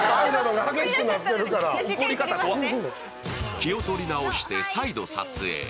気を取り直して再度撮影。